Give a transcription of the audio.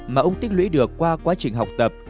mà ông tích lũy được qua quá trình học tập